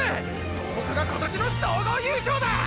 総北が今年の総合優勝だ！！